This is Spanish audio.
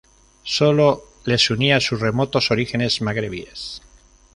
Solo les unía sus remotos orígenes magrebíes.